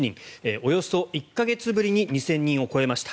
およそ１か月ぶりに２０００人を超えました。